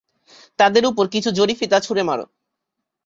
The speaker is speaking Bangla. তাদের উপর কিছু জড়ি-ফিতা ছুঁড়ে মার।